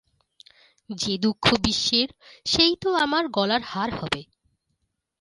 যে দুঃখ বিশ্বের সেই তো আমার গলার হার হবে।